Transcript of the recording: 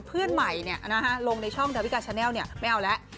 เพื่อนใหม่ลงในช่องดาวิกาแชนแลลไม่เอาแล้ว